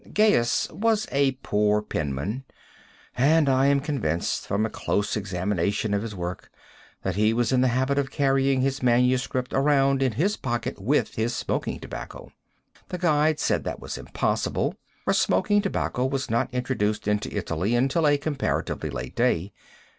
Gaius was a poor penman, and I am convinced from a close examination of his work that he was in the habit of carrying his manuscript around in his pocket with his smoking tobacco. The guide said that was impossible, for smoking tobacco was not introduced into Italy until a comparatively late day.